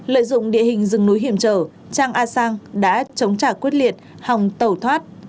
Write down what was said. lợi dụng địa hình rừng núi hiểm trở trang a sang đã chống trả quyết liệt hòng tẩu thoát